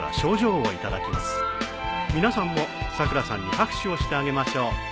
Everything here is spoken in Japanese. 皆さんもさくらさんに拍手をしてあげましょう。